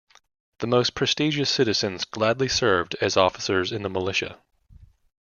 The most prestigious citizens gladly served as officers in the militia.